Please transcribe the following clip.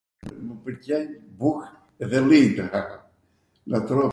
Mw pwlqen buk edhe lli tw ha, να τρώω